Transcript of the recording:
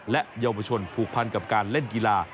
และเยาวชนผูกพันกับการเล่นกีฬา